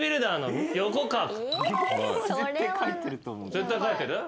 絶対書いてる？